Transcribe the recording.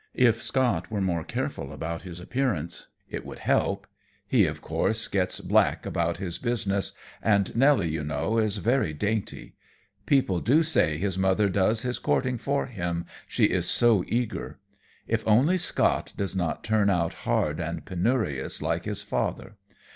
If Scott were more careful about his appearance, it would help. He of course gets black about his business, and Nelly, you know, is very dainty. People do say his mother does his courting for him, she is so eager. If only Scott does not turn out hard and penurious like his father!